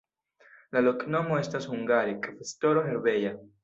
La loknomo estas hungare: kvestoro-herbeja.